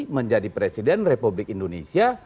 menjadi presiden republik indonesia